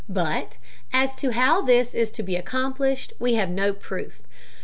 But as to how this is to be accomplished we have no proof.